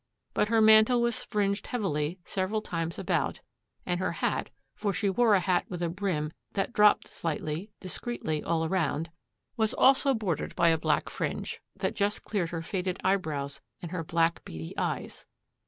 But her mantle was fringed heavily several times about, and her hat for she wore a hat with a brim that dropped slightly, discreetly, all around was also bordered by a black fringe that just cleared her faded eyebrows and her black beady eyes.